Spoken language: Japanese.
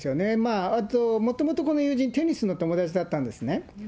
あともともと、この友人、テニスの友達だったんですね。